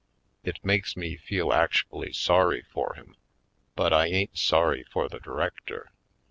It makes me feel actually sorry for him; but I ain't sorry for the director.